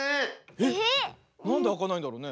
えっなんであかないんだろうね？